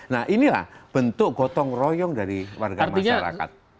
nah inilah bentuk gotong royong dari warga masyarakat